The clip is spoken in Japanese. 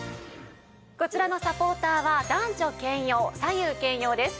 こちらのサポーターは男女兼用左右兼用です。